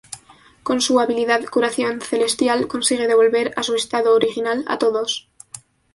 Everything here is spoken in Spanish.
Con su habilidad "Curación Celestial", consigue devolver a su estado original a todos.